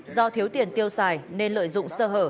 do thiếu tiền tiêu xài nên lợi dụng sơ hở